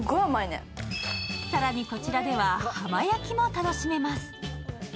更にこちらでは浜焼きも楽しめます。